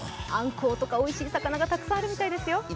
あんこうとか、おいしい魚がたくさんあるそうですよ。